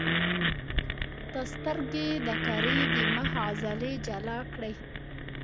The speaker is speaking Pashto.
د سترګې د کرې د مخ عضلې جلا کړئ.